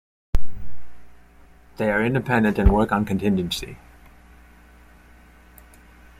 They are independent and work on contingency.